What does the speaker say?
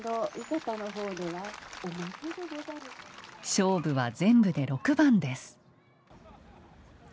勝負は全部で６番です。